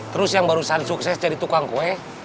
terus yang barusan sukses jadi tukang kue